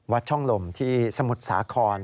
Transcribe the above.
ช่องลมที่สมุทรสาคร